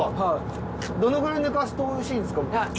どのくらい寝かすとおいしいんですか？